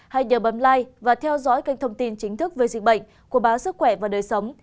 hãy nhớ bấm like và theo dõi kênh thông tin chính thức về dịch bệnh của báo sức khỏe và đời sống